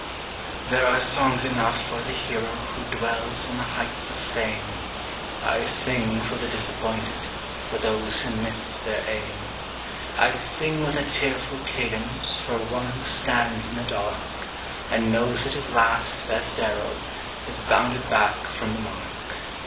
There are songs enough for the hero Who dwells on the heights of fame; I sing for the disappointed For those who missed their aim. I sing with a tearful cadence For one who stands in the dark, And knows that his last, best arrow Has bounded back from the mark.